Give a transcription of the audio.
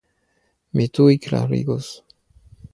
Mi tuj klarigos.